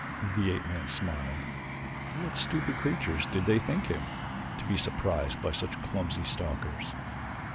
The ape man smiled. What stupid creature did they think him, to be surprised by such clumsy stalkers?